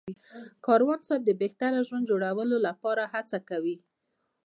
کاروان صاحب د بهتره ژوند جوړولو لپاره هڅه کوي.